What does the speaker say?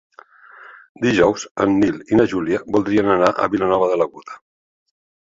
Dijous en Nil i na Júlia voldrien anar a Vilanova de l'Aguda.